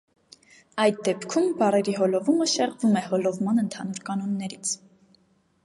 Այդ դեպքում բառերի հոլովումը շեզվում է հոլովման ընդհանուր կանոններից։